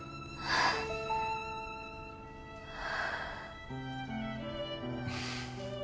ああ。